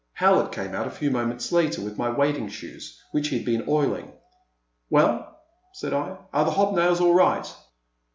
Howlett came out a few moments later with my wading shoes which he had been oiling. Well," said I, are the hob nails all right